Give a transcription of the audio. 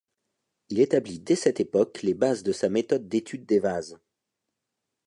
Il établit dès cette époque les bases de sa méthode d'étude des vases.